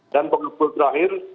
dan pengumpul terakhir